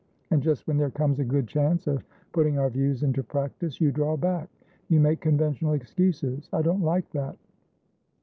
And just when there comes a good chance of putting our views into practice, you draw back, you make conventional excuses. I don't like that!